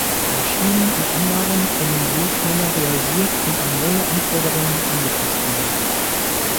Maschinen und Anlagen können so schneller realisiert und an neue Anforderungen angepasst werden.